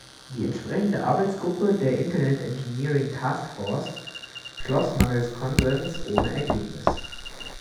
Die entsprechende Arbeitsgruppe der Internet Engineering Task Force schloss mangels Konsens ohne Ergebnis.